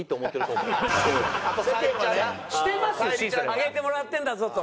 上げてもらってるんだぞと。